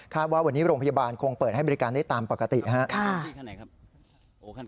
ว่าวันนี้โรงพยาบาลคงเปิดให้บริการได้ตามปกติครับ